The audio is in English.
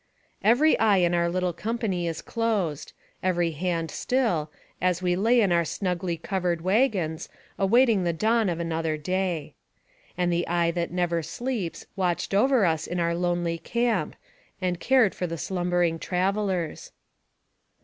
Every eye in our little company is closed, every hand still, as we lay in our snugly covered wagons, awaiting the dawn of another day. And the Eye that never sleeps watched over us in our lonely camp, and cared for the slumbering travelers.